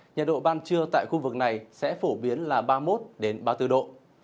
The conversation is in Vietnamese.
nhiệt độ ban trưa tại khu vực này sẽ phổ biến là ba mươi một ba mươi bốn độ